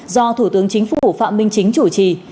do thủ tướng chính phủ phạm minh chính chủ trì